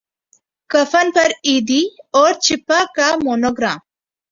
کفن پر ایدھی اور چھیپا کا مونو گرام